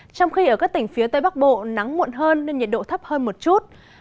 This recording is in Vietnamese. trong khi ở các tỉnh phía tây bắc bộ nắng muộn hơn nên nhiệt độ thấp hơn một chút